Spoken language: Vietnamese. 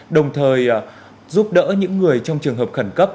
đồng thời giúp đỡ những người trong trường hợp khẩn cấp